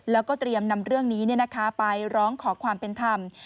แล้วก็เตรียมนำเรื่องนี้ไปร้องขอความเป็นธรรม